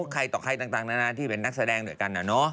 ใครต่อใครต่างนั้นนะที่เป็นนักแสดงเหลือกันเนอะ